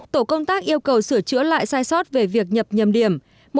tổ công tác yêu cầu sửa chữa lại sai sót về việc nhập nhầm điểm